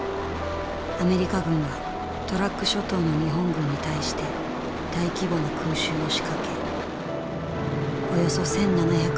アメリカ軍はトラック諸島の日本軍に対して大規模な空襲を仕掛けおよそ１，７００人が死傷した。